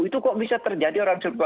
itu kok bisa terjadi